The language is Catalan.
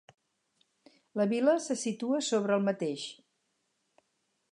La vila se situa sobre el mateix.